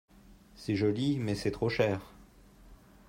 C'est joli mais c'est trop cher.